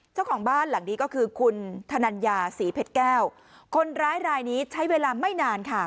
เจ้าของบ้านหลังนี้ก็คือคุณธนัญญาศรีเพชรแก้วคนร้ายรายนี้ใช้เวลาไม่นานค่ะ